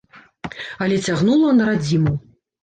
Але цягнула на радзіму.